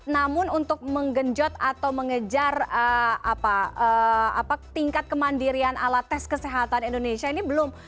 namun untuk menggenjot atau mengejar tingkat kemandirian alat tes kesehatan indonesia ini belum